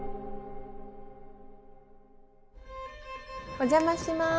お邪魔します。